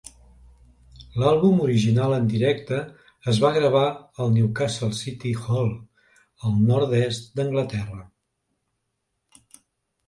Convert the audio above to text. L'àlbum original en directe es va gravar al Newcastle City Hall, al nord-est d'Anglaterra.